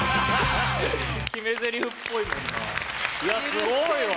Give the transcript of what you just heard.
すごいわ！